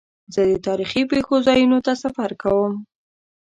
زه د تاریخي پېښو ځایونو ته سفر کوم.